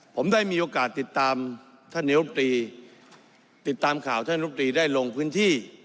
ผมได้มีโอกาสติดตามท่านนายกตรีติดตามข่าวท่านรบตรีได้ลงพื้นที่